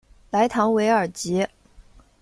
莱唐韦尔吉。